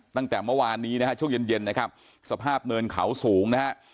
ตั้งแต่เมื่อวานนี้นะฮะช่วงเย็นเย็นนะครับสภาพเนินเขาสูงนะฮะ